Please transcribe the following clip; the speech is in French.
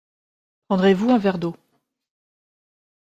Prendrez-vous un verre d’eau.